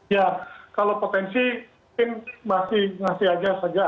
ya kalau potensi mungkin masih saja